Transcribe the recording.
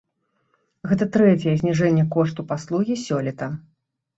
Гэта трэцяе зніжэнне кошту паслугі сёлета.